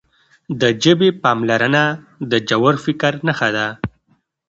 د ژبې پاملرنه د ژور فکر نښه ده.